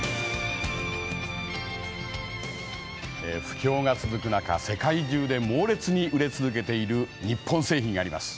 不況が続く中世界中で猛烈に売れ続けている日本製品があります。